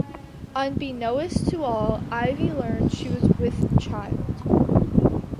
Unbeknownst to all, Ivy learned she was with child.